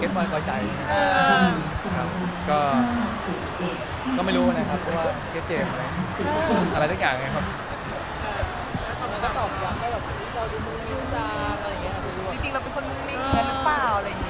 ที่จริงเราเป็นคนมือมี้งยันหรือเปล่า